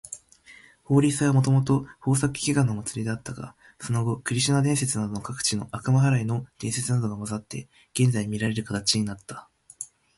ホーリー祭はもともと豊作祈願の祭りであったが、その後クリシュナ伝説などの各地の悪魔払いの伝説などが混ざって、現在みられる形になった。